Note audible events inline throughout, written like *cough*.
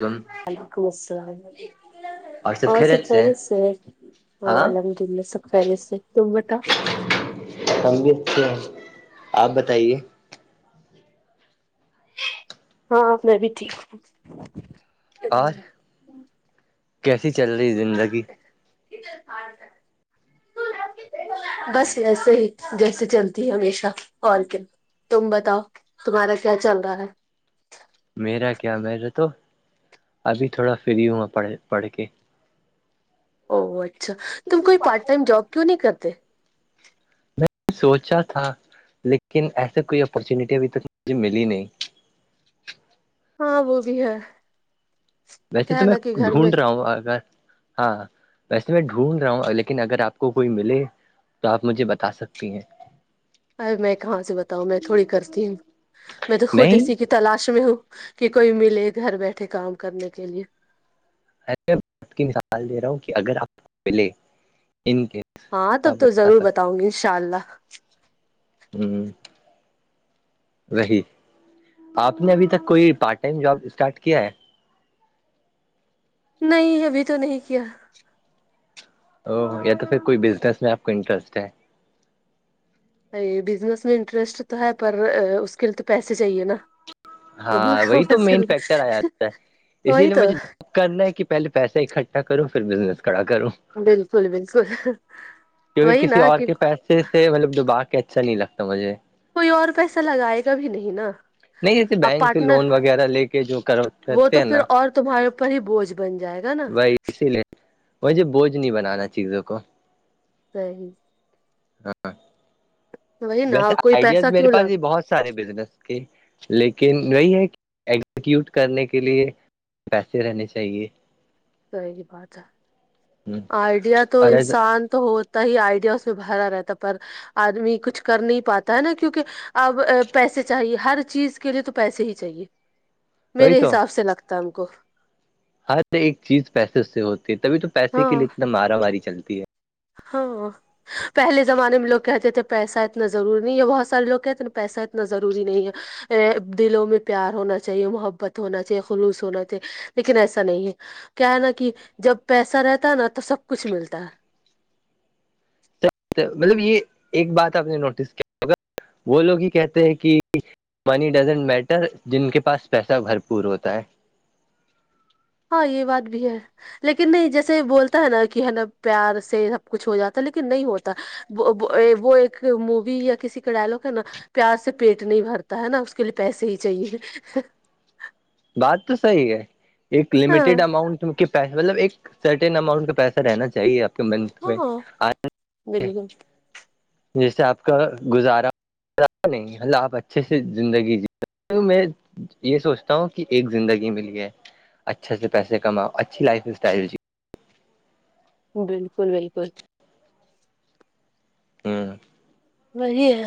تم وعلیکم السلام اور سب خریت سے ہاں الحمد اللہ سفاری سے ت بت ک بھی اچھے ہے آپ بتائیے ہاں میں بھی ٹھیک ہوں اور کیسی چل رہی زندگی ا س بس ویسے ہی جیسے چلتی ہے ہمیشہ اور کیا تم بتاؤ تمہارا کیا چل رہا ہے میرا کیا م رہ تو ابھی تھوڑا فری ہا پڑھ پڑھ کے او اچھا تم کوئی پارٹ ٹائم جاب کیوں نہیں کرتے میں سوچا تھا لیکن ایسے کوئی اپرچونیٹی ابھی تک مجھے ملی نہیں ہاں وہ بھی ہے ویسے کیا ہے تو میں نا کہ گھر میں ڈھونڈ رہا ہوں اگر ہاں ویسے میں ڈھونڈ رہا ہوں لیکن اگر آپ کو کوئی ملے تو آپ مجھے بتا سکتی ہیں ارے میں کہاں سے بتاؤ میں تھوڑی کرتی ہوں میں تو خود نہیں اسی کی تلاش میں ہوں کہ کوئی ملے گھر بیٹھے کام کرنے کے لیے سے آپ کی مثال دے رہا ہوں کہ اگر آپ ملے ان کے ہاں تب آپ تو بتا ضرور سکتے بتاؤں گی ان شاء اللہ ہوں رہی آپ نے ابھی تک کوئی پارٹ ٹائم جاب اسٹارٹ کیا ہے نہیں ابھی تو نہیں کیا او یا تو پھر کوئی بزنس میں آپ کو انٹرسٹ ہے بزنس میں انٹرسٹ تو ہے پر اس کے لیے تو پیسے چاہیے نا وہ ہاں کا وہی تو مین مسئلہ فیکٹر آ جاتا ہے اسی وہی لیے تو مجھے اب کرنا ہے کہ پہلے پیسہ اکٹھا کروں پھر بزنس کھا کروں بالکل بالکل وہی نا کہ اس سے مطلب دبا کے اچھا نہیں لگتا مجھے کوئی اور پیسہ لگائے گا بھی نہیں نا نہیں جیسے اب بینک سے پارٹنر لون وغیرہ لے کے جو وہ کرتے تو ہیں پھر نا اور تمہارے اوپر ہی بوجھ بن جائے گا نا بائی اسی لیے مجھے بوجھ نہیں بنانا چیزوں کو صحی وہی نا ویسے اور کوئی آئیڈیاز پیسہ میرے کیوں پاس بھی لگتا بہت سارے بزنس کے لیکن وہی ہے کہ ایگزیکیوٹ کرنے کے لیے ویسے رہنے چاہیے صی بات ہے ہ آئیڈیا تو ارے انسان تو ہو ہی آئیڈیا اس میں بھرا رہتا پر آدمی کچھ کر نہیں پاتا ہے نا کیونکہ اب پیسے چاہیے ہر چیز کے لیے تو پیسے ہی چاہیے وہی میرے تو حساب سے لگتا ہے ہم کو ہر ایک چیز پیسے سے ہوتی ہے تبھی تو پیسے کے ہاں لیے اتنا مارا ماری چلتی ہے ہاں پہلے زمانے میں لوگ کہتے تھے پیسہ اتنا ضرور نہیں ہے بہت سارے لوگ کہتے ہیں نا پیسہ اتنا ضروری نہیں ہے ا دلوں میں پیار ہونا چاہیے محبت ہونا چاہیے خلوص ہونا چاہیے لیکن ایسا نہیں ہے کیا ہے نا کہ جب پیسہ رہتا ہے نا تو سب کچھ ملتا ہے ہے مطلب یہ ایک بات آپ نے نوٹس کیا ہوگا وہ لوگ ہی کہتے ہیں کہ منی ڈزنٹ میٹر جن کے پاس پیسہ بھرپور ہوتا ہے ہاں یہ بات بھی ہے لیکن نہیں جیسے بولتا ہے نا کہ ہے نا پیار سے سب کچھ ہو جاتا لیکن نہیں ہوتا وہ ایک مووی یا کسی ڈیلاغ ہے نا پیار سے پیٹ نہیں بھرتا ہے نا اس کے لیے پیسے ہی چاہیے بات تو صحیح ہے ایک ہاں لمیٹیڈ اماؤنٹ ان کے مطلب ایک سرٹن اماؤنٹ کا پیسہ رہنا چاہیے آپ منت *inaudible* پ میں ہاں آ بالکل جیسے آپ کا گزارا نہیںلہ آپ اچھے سے زندگی جی میں یہ سوچھ کہ ایک زندگی ملی ہے اچھے سے پیسے کماؤ اچھی لائف اسٹائل جی بالکل بالکل ہ وہی ہے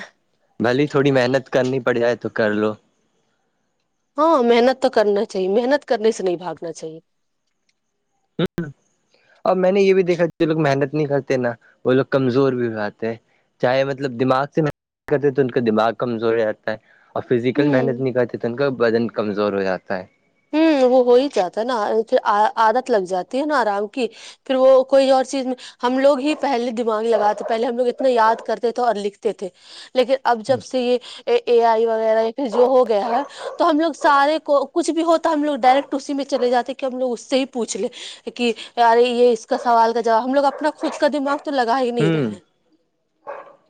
بھلی تھوڑی محنت کرنی پڑ جائے تو کر لو ہاں محنت تو کرنا چاہیے محنت کرنے سے نہیں باگنا چاہیے ہوں اورب میں نے یہ بھی دیکھا جو لوگ محنت نہیں کرتے نا وہ لوگ کمزور بھی ہو آاتتے چاہے مطلب دماغ سے مح کرتے تو ان کا دماغ کمزور ہو جاتا ہے اور فزیکل محنت ہوں نہیں کرتے تو ان کا بدن کمزور ہو جاتا ہے ہ وہ ہو ہی جاتا ہے نا عادت لگ جاتی ہے نا آرام کی پھر وہ کوئی اور چیز میں ہم لوگ ہی پہلے دماغ لگاتے پہلے ہم لوگ اتنا یاد کرتے تھے اور لکھتے تھے لیکن اب جب سے یہ اے آئی وغیرہ یا پھر جو ہو گیا ہے تو ہم لوگ سارے کو کچھ بھی ہوتے تو ہم لوگ ڈائریکٹ اسی میں چے جاتے ہیں کہ ہم لوگ اس سے ہی پوچھ لیں کہ رے یہ اس کا سوال کا جواب ہم لوگ اپنا خود کا دماغ تو لگا ہی نہیں رہا ہوں ہے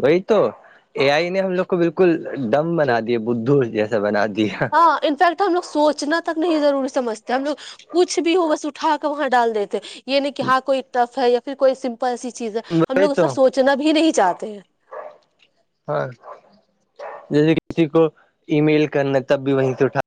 وہی تو اے آئی نے ہم لوگ کو بالکل ڈم بنا دیا بدھ جیسا بنا دیا ہاں انفیکٹ ہم لگ سوچنا تک نہیں ضروری سمجتے ہم لوگ کچھ بھی ہوگا س ہا کا وہاں ڈال دیتے یہ نہیں کہ ہاں کوئی ٹف ہے یا پھر کوئی سمپل ایسی چیز ہے ہم وہی لوگ اس تو پرہ سوچ چنب ہی نہیں چاہتے ہیں ہاں جیسے کسی کو ای میل کرنا تب بھی وہیں سے اٹھا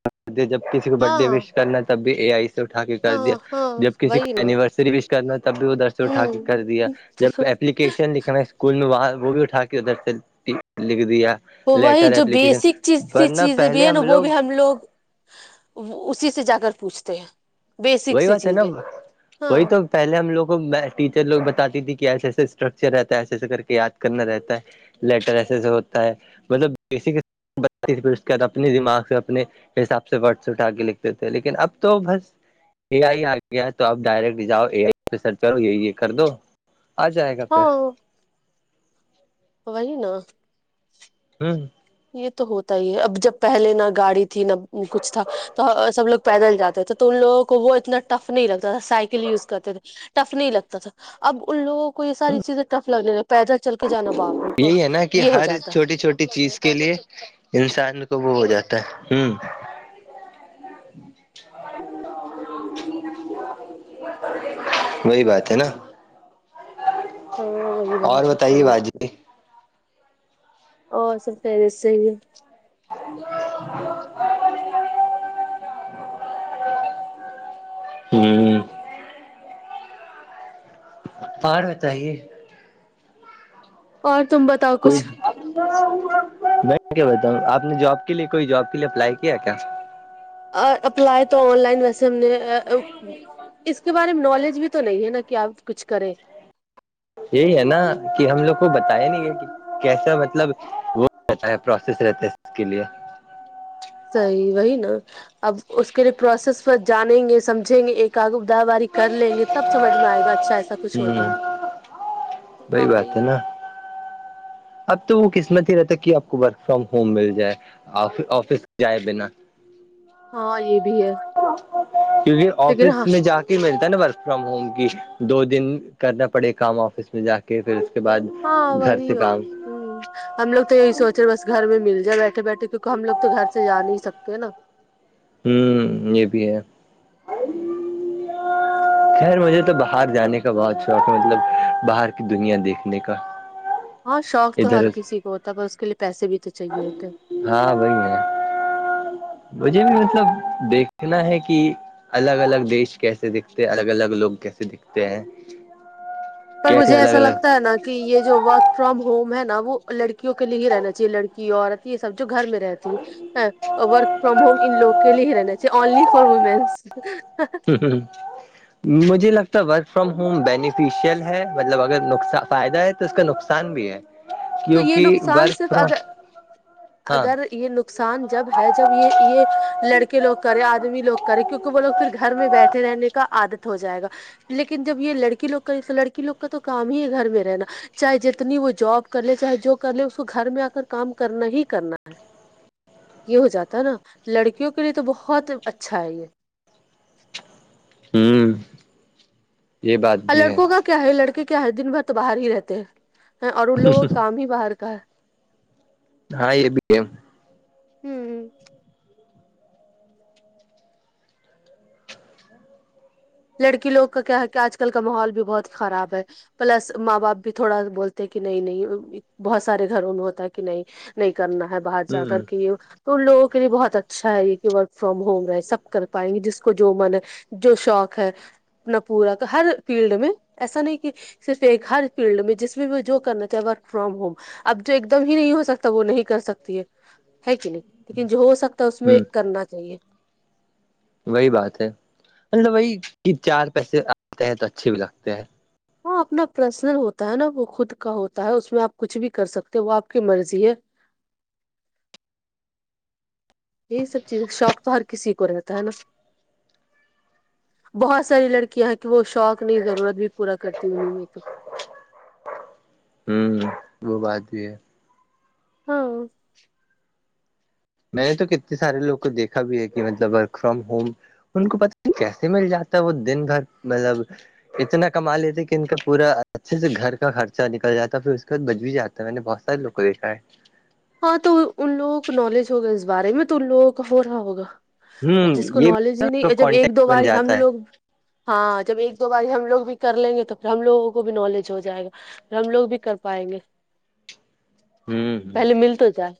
جب کسی کو برتھ ہاں ڈے ہاں وش کرنا تب بھی اے آئی سے اٹھا کے کر دیا ہاں جب ہاں کسی کو وہی نا اینیورسری وش کرنا تب بھی وہ درس اٹھا کے ہوں کر دیا جب کیشن لکھنا ہے اسکول میں وہاہ وہ بھی اٹھا کے ادھر سے لکھ دیا تو وہی لیٹر جو اپلیکیشن بیسک چیز کی ورنہ چیزیں پہلے بھی ہے نا وہ لوگ بھی ہم لوگ اسی سے جا کر پوچھتے ہیں بیسک وہی سی بات ہے نا چیزیں ہاں وہی تو پہلے ہم لوگ کو ٹیچر لوگ بتاتی تھی کہ ایسا ایسا اسٹرکچر رہتا ہے ایسے ایسے کر کے یاد کرنا رہتا ہے لیٹر ایسے سے ہوتا ہے مطلب بیسک اپنے دماغ سے اپنے حساب سےڈس اٹا کے لکھتے تھے لیکن اب تو بس اے آئی آ گیا تو آپ ڈائریکٹ جاؤ اے آئی پہ سرچ کرو یہ یہ کر دو آ جائے گا پھر ہاں وہی نا ہوں یہ تو ہوتا ہی ہے اب جب پہلے نہ گاڑی تھی نہ کچھ تھا تو سب لوگ پیدل جاتے تھے تو ان لوگوں کو وہ اتنا ٹف نہیں لگتا تھا سائیکل یوز کرتے تھے ٹف نہیں لگتا تھا اب ان لوگوں کو یہ ساری چیزیں ٹف لگنے ل پیدل چل کے جانا باپ رے باپ یہی ہے نا کہ یہ ہو ہر جاتا ہے چھوٹی چھوٹی چیز کے لیے انسان کو وہ ہو جاتا ہے ہوں *unintelligible* وہی بات ہے نا ہاں وہی اور بات ہے بتائیے صحیح باجی او سب پیری *unintelligible* ہوں پہاڑ ہوتا ہے اور تم بتاؤ کوئی کچھ میں کیا بتا ہوں آپ نے جاب کے لیے کوئی جاب کے لیے اپلائی کیا کیا اپلائی تو آن لائن ویسے ہم نے اس کے بارے میں نالج بھی تو نہیں ہے نا کہ آپ کچھ کریں یہی ہے نا کہ ہم لوگ کو بتایا نہیں یہ کہ کیسا مطلب وہ رہتا ہے پروسیس رہتا ہے اس کے لیے صحیح وہی نا اب اس کے لیے پروسیس پر جانیں گے سمجھیں گے ایک آگ باری کر لیں گے تب سج میں آئے گا اچھا ایسا کچھ ہوتا ہوں ہے بئی ہاں بات وہی ہے نا اب تو وہ قسمت ہی رہتا ہے کہ آپ کو ورک فرام ہوم مل جائے آفس جائے بنا ہاں یہ بھی ہے کیونکہ لیکن آفس ہاں میں جا کے ملتا نا ورک فرام ہوم کی دو دن کرنا پڑے کام آفس میں جا کے پھر اس کے بعد گھر سے کام ہوں ہم لوگ تو یہی سوچے بس گھر میں مل جائے بیٹھے بیٹھے کیونکہ ہم لوگ تو گھر سے جا نہیں سکتے ہیں نا ہوں یہ بھی ہے خیر مجھے تو باہر جانے کا بہت شوق ہے مطلب باہر کی دنیا دیکھنے کا ہ ہاں شوق تو ہر کسی کو ہوتا ہے پر اس کے لیے پیسے بھی تو چاہیے ہوتے ہیں ہاں وہی ہے مجھے بھی مطلب دیکھنا ہے کہ الگ الگ دیش کیسے دکھتے الگ الگ لوگ کیسے دکھتے ہیں پر مجھے کیسے ایسا الگ الگ لگتا ہے نا کہ یہ جو ورک فرام ہوم ہے نا وہ لڑکیوں کے لیے ہی رہنا چاہیے لڑکی عورت یہ سب جو گھر میں رہتی ہے ورک فرام ہوم ان لوگوں کے لیے ہی رہنا انلی فور ومینس ہ ہ مجھے لگتا ہے ورک فرام ہوم بینیفیشیل ہے مطلب اگر نقص فائدہ ہے اس کا نقصان بھی ہے یہ کیونکہ و نقصان ف صرف اگر ہاں اگر یہ نقصان جب ہے جب یہ یہ لڑکے لوگ کرے آدمی لوگ کرے کیونکہ وہ لوگ پھر گھر میں بیٹھے رہنے کا عادت ہو جائے گا لیکن جب یہ لڑکی لوگ کا لڑکی لوگ کا تو کام ہی ہے گھر میں رہنا چاہے جتنی وہ جاب کر لے چاہے جو کر لے اس کو گھر میں آ کر کام کرنا ہی کرنا ہے یہ ہو جاتا ہے نا لڑکیوں کے لیے تو بہت اچھا ہے یہ ہوں یہ بات اور بھی ہے لڑکوں کا کیا ہے لڑکے کیا ہے دن بھر تو باہر ہی رہتے ہیں اور ان لوگوں کو کام ہی باہر کا ہے ہاں یہ بھی ہے ہوں ہ لڑکی لوگ کا کیا ہے کہ آج کل کا ماحول بھی بہت خراب ہے پلس ماں باپ بھی تھوڑا بولتے ہیں کہ نہیں نہیں بہت سارے گھروں میں ہوتا ہے کہ نہیں نہیں کرنا ہے باہر جا ہ کر کے تو ان لوگوں کے لیے بہت اچھا ہے یہ کہ ورک فرام ہوم رہے سب کر پائیں گے جس کو جو من ہے جو شوق ہے اپنا پورا ہر فیلڈ میں ایسا نہیں کہ صرف ایک ہر فیلڈ میں جس میں جو کرنا چاہ ورک فرام ہوم اب جو ایک دم ہی نہیں ہو سکتا وہ نہیں کر سکتی ہے ہے کہ نہیں لیکن جو ہو سکتا تو اس میں ہ کرنا چاہیے وہی بات ہے مب وہی کہ چار پیسے آتے ہیں تو اچھے بھی لگتے ہیں ہاں اپنا پرسنل ہوتا ہے نا وہ خود کا ہوتا ہے اس میں آپ کچھ بھی کر سکتے وہ آپ کی مرضی ہے یہی سب چیزیں شوق تو ہر کسی کو رہتا ہے نا *inaudible* بہت ساری لڑکیاں ہیں کہ وہ شوق نہیں ضرورت بھی پورا کرتی انیں میں تو ہوں وہ بات بھی ہے ہاں میں نے تو کتنے سارے لوگ کو دیکھا بھی ہے کہ مطلب ورک فرام ہوم ان کو پتا نہیں کیسے مل جاتا ہے وہ دن بھر مطلب اتنا کما لیتے کہ ان کا پورا اچھے سے گھر کا خرچہ نکل جا پھر اس کے بعد بچ بھی جاتا تو میں نے بستہ لو یہش ہے ہاں تو ان لوگوں کو نالج ہوگا اس بارے میں تو ان لوگوں کا ہو رہا ہوگا اب ہوں جس کو یہ نالج ہی بھی نہیں جب ایک دو کانٹیکٹ بن بار ہم جاتا ہے لوگ ہاں جب ایک دو باری ہم لوگ بھی کر لیں گے توھر ہم لوگوں کو بھی نالج ہو جائے گا ھر ہم لوگ بھی کر پائیں گے جی پہلے مل تو جائے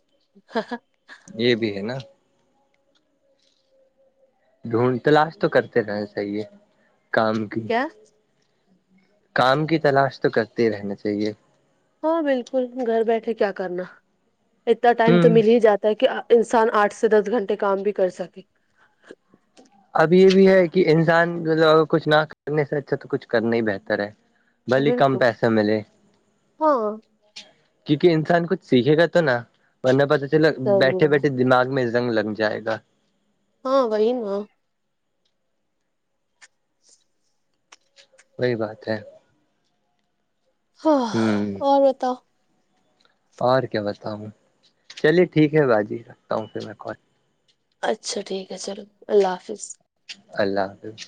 یہ بھی ہے نا ڈھونڈ تلاش تو کرتے رہ صحی ہے کام کی چ کام کی تلاش تو کرتے ہی رہنا چاہیے ہاں بالکل گھر بیٹھے کیا کرنا اتنا ٹائم تو ہوں مل ہی جاتا تاکہ انسان آٹھ سے دس گھنٹے کام بھی کر سکے اب یہ بھی ہے کہ انسان کچھ نہ کرنے سے اچھا تو کچھ کرنا ہی بہتر ہے بھلی کم بالکل پیسے ملے ہاں کیونکہ انسان کچھ سیکھے گا تو نا ورنہ پتا چل صحیح بیٹھے بات بیٹھے دماغ میں جنگ لگ جائے گا ہاں وہہین و وہی بات ہے ہاں ہوں اور بتا اور کیا بتاؤں چلیے ٹھیک ہے باجی رکھتا ہوں پھر میں کال اچھا ٹھیک ہے چلو اللہ حافظ اللہ حافظ